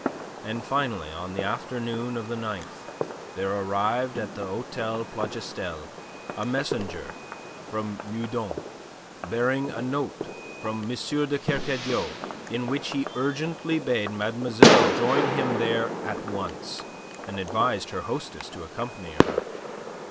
And finally on the afternoon of the ninth, there arrived at the Hotel Plougastel a messenger from Meudon bearing a note from M. de Kercadiou in which he urgently bade mademoiselle join him there at once, and advised her hostess to accompany her.